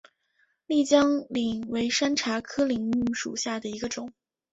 丽江柃为山茶科柃木属下的一个种。